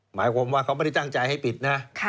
หมายความว่าเขาไม่ได้ตั้งใจให้ปิดนะ